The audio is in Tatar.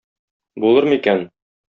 Булыр микән?